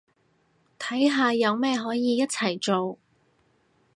睇下有咩可以一齊做